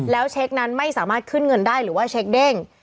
แล้วเช็คนั้นไม่สามารถขึ้นเงินได้หรือว่าเช็คเด้ง